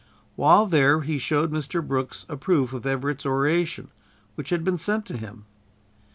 While there he showed Mr. Brooks a proof of Everett's oration which had been sent to him.